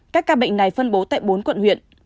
các ca bệnh này phân bố tại bốn quận huyện